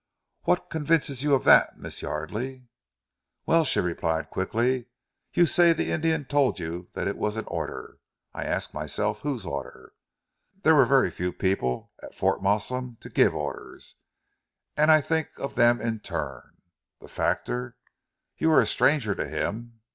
"What convinces you of that, Miss Yardely?" "Well," she replied quickly, "you say the Indian told you that it was an order. I ask myself whose order? There were very few people at Fort Malsun to give orders. I think of them in turn. The factor? You were a stranger to him!